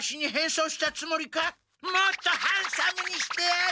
もっとハンサムにしてやる！